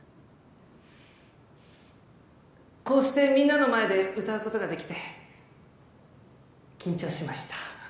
こうしてみんなの前で歌うことができて緊張しました。